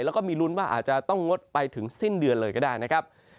แล้วก็มีลุ้นว่าอาจจะต้องงดไปถึงสิ้นเดือนเลยก็ได้นะครับ